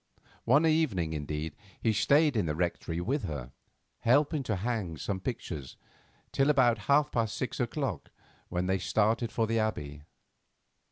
One evening, indeed, he stayed in the Rectory with her, helping to hang some pictures till about half past six o'clock, when they started for the Abbey.